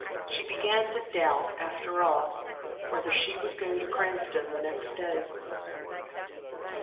She began to doubt, after all, whether she would go to Cranston the next day.